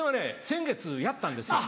先月やったんですよ。